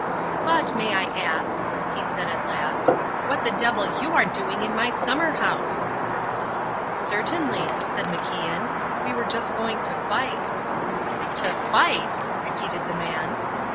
"But, may I ask," he said at last, "what the devil you are doing in my summer house?" "Certainly," said MacIan. "We were just going to fight." "To fight!" repeated the man.